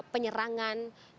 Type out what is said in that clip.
penyerangan yang terjadi tersebut